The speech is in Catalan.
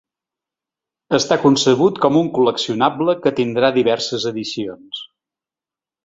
Està concebut com un col·leccionable que tindrà diverses edicions.